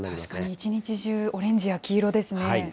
確かに一日中、オレンジや黄色ですね。